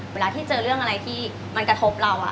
เวลาที่เจอเรื่องอะไรที่มันกระทบเรา